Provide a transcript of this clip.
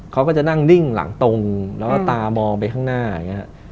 เขาก็จะนั่งนิ่งหลังตรงแล้วก็ตามองไปข้างหน้าอย่างนี้ครับ